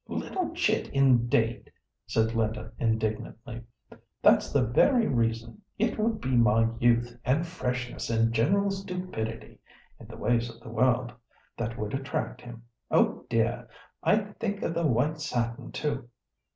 "Little chit, indeed!" said Linda, indignantly. "That's the very reason. It would be my youth, and freshness, and general stupidity (in the ways of the world) that would attract him. Oh, dear! think of the white satin, too!